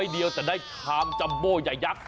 ๑๐๐เดียวจะได้ชามจำโบกนี้ใหญ่